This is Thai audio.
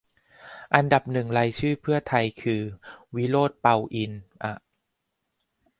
อันดับหนึ่งรายชื่อเพื่อไทยคือ วิโรจน์ เปาอินทร์ อะ